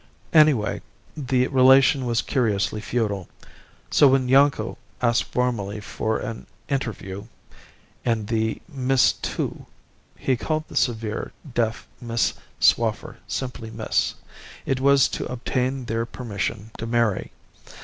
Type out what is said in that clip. Anyway the relation was curiously feudal. So when Yanko asked formally for an interview 'and the Miss too' (he called the severe, deaf Miss Swaffer simply Miss) it was to obtain their permission to marry.